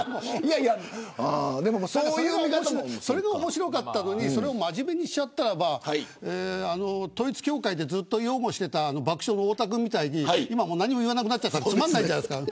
それが面白かったのにそれを真面目にしちゃったらば統一教会で擁護していた爆笑の太田君みたいに何も言わなくなっちゃったらつまんないじゃないですか。